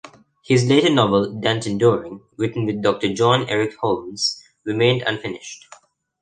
His later novel "Danton Doring", written with Doctor John Eric Holmes, remained unfinished.